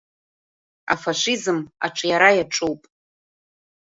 Афашизм аҿиара иаҿуп.